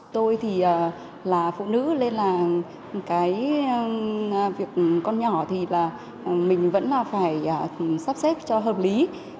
tôi là phụ nữ nên việc con nhỏ thì mình vẫn phải sắp xếp cho hợp lý